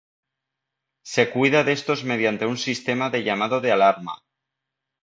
Se cuida de estos mediante un sistema de llamado de alarma.